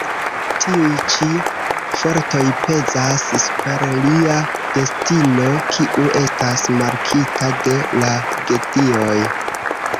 Tiuj ĉi fortoj pezas super lia destino, kiu estas markita de la gedioj.